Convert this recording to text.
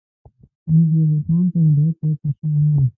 مهدي علي خان ته هدایت ورکړه شوی وو.